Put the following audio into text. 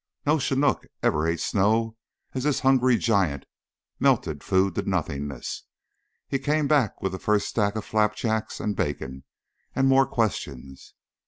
No chinook ever ate snow as this hungry giant melted food to nothingness. He came back with the first stack of flapjacks and bacon and more questions.